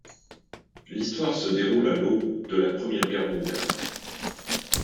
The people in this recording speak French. L'histoire se déroule à l'aube de la Première Guerre mondiale.